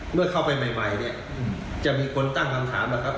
เมื่อเข้าไปใหม่เนี่ยจะมีคนตั้งคำถามแล้วครับ